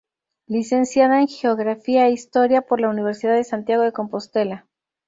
Licenciada en Geografía e Historia por la Universidad de Santiago de Compostela.